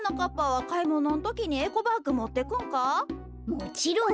もちろん！